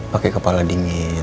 pake kepala dingin